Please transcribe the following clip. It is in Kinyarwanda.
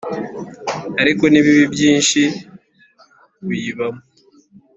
ariko n’ibibi byinshi biyibamo